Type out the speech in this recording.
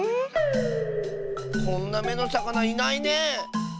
こんな「め」のさかないないねえ。